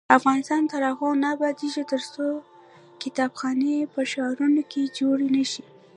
افغانستان تر هغو نه ابادیږي، ترڅو کتابخانې په ښارونو کې جوړې نشي.